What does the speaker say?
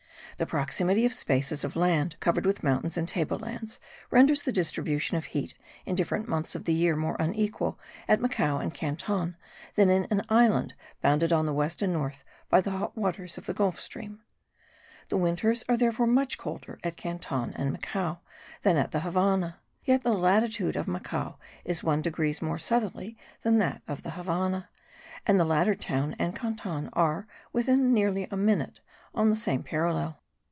The proximity of spaces of land covered with mountains and table lands renders the distribution of heat in different months of the year more unequal at Macao and Canton than in an island bounded on the west and north by the hot waters of the Gulf stream. The winters are therefore much colder at Canton and Macao than at the Havannah: yet the latitude of Macao is 1 degree more southerly than that of the Havannah; and the latter town and Canton are, within nearly a minute, on the same parallel.